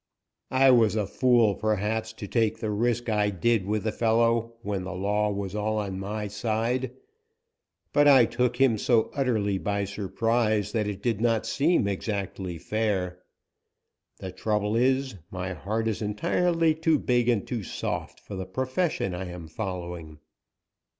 "I was a fool, perhaps, to take the risk I did with the fellow, when the law was all on my side, but I took him so utterly by surprise that it did not seem exactly fair. The trouble is, my heart is entirely too big and too soft for the profession I am following."